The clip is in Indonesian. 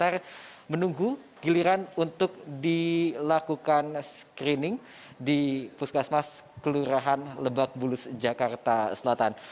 benar menunggu giliran untuk dilakukan screening di puskesmas kelurahan lebak bulus jakarta selatan